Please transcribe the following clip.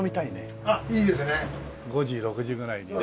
５時６時ぐらいにね。